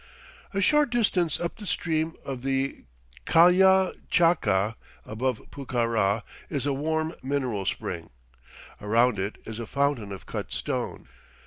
A short distance up the stream of the Lkalla Chaca, above Pucará, is a warm mineral spring. Around it is a fountain of cut stone.